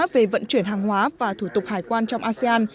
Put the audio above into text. về vận chuyển hàng hóa và thủ tục hải quan trong asean